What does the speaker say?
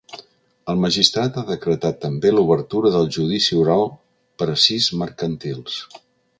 El magistrat ha decretat també l’obertura del judici oral per a sis mercantils.